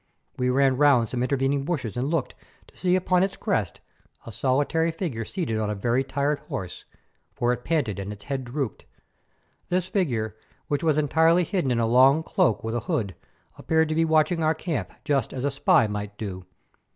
We ran round some intervening bushes and looked, to see upon its crest a solitary figure seated on a very tired horse, for it panted and its head drooped. This figure, which was entirely hidden in a long cloak with a hood, appeared to be watching our camp just as a spy might do.